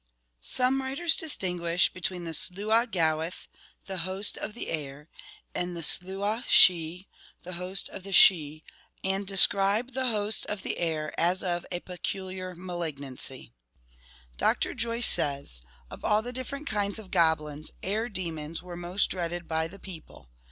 Some writers distinguish between the Sluagh Gaoith, the host of the air, and Sluagh Sidhe, the host of the Sidhe, and describe the host of the air as of a peculiar malignancy. Dr. Joyce says, * of all the different kinds of goblins ... air demons were most dreaded by the people.